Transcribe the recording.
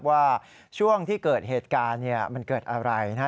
ว่าช่วงที่เกิดเหตุการณ์มันเกิดอะไรนะ